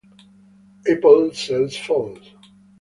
Apple sells phones.